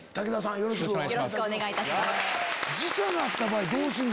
よろしくお願いします。